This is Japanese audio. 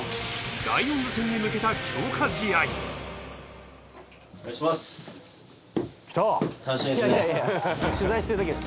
ライオンズ戦に向けたお願いします！